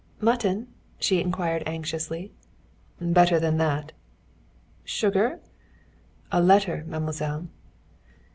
"Mutton?" she inquired anxiously. "Better than that." "Sugar?" "A letter, mademoiselle."